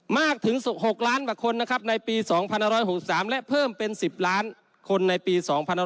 มากถึง๖ล้านคนในปี๒๖๖๓และเพิ่มเป็น๑๐ล้านคนในปี๒๖๖๔